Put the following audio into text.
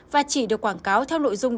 và chỉ được quảng cáo theo nội dung